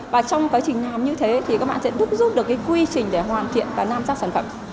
và trong quá trình làm như thế thì các bạn sẽ giúp được cái quy trình để hoàn thiện và nam ra sản phẩm